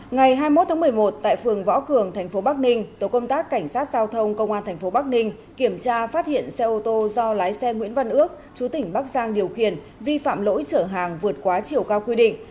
ngày hai mươi một tháng một mươi một tại phường võ cường thành phố bắc ninh tổ công tác cảnh sát giao thông công an tp bắc ninh kiểm tra phát hiện xe ô tô do lái xe nguyễn văn ước chú tỉnh bắc giang điều khiển vi phạm lỗi chở hàng vượt quá chiều cao quy định